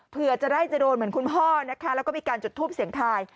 เผื่อจะได้จะโดนเหมือนคุณพ่อนะคะแล้วก็มีการจุดทูปเสียงทาย